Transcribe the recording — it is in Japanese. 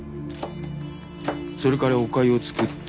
それからおかゆを作って。